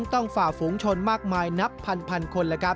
ต้องฝ่าฝูงชนมากมายนับพันคน